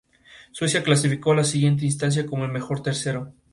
Suecia clasificó a la siguiente instancia como el mejor tercero.